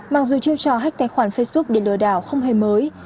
mặc dù chiêu trò hách tài khoản facebook để lừa đảo không hề mới